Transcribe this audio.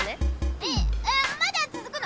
ええまだつづくの？